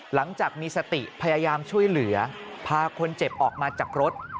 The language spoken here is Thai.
หลังจากมีสติพยายามช่วยเหลือพาคนเจ็บออกมาจากรถ